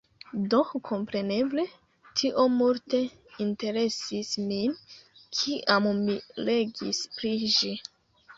Do kompreneble, tio multe interesis min, kiam mi legis pri ĝi.